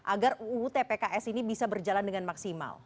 agar uutpks ini bisa berjalan dengan maksimal